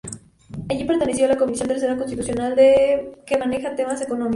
Allí perteneció a la Comisión Tercera Constitucional que maneja temas económicos.